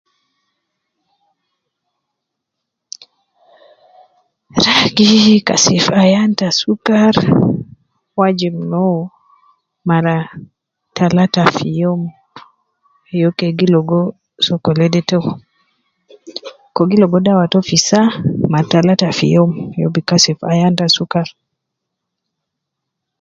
Ragi Kashif ayan ta sukar ,wajib no ,mara, talata fi youm, yo ke gi ligo sokolede to, ko gi ligo dawa to fi saa mar talata fi youm ,yo bi Kashif ayan te sukar